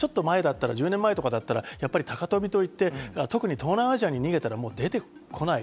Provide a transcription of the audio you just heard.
かつてちょっと前だったら、１０年前とかだったら、高飛びといって、特に東南アジアに逃げたらもう出てこない。